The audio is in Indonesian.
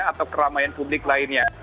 atau keramaian publik lainnya